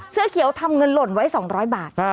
เสื้อเขียวทำเงินหล่นไว้๒๐๐บาท